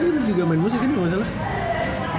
juga main musik kan